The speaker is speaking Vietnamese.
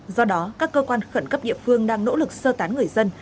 do đó các cơ quan khẩn cấp địa phương đang nỗ lực sơ tán người dân